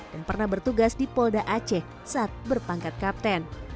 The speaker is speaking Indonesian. pernah bertugas di polda aceh saat berpangkat kapten